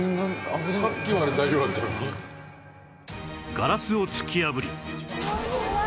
ガラスを突き破り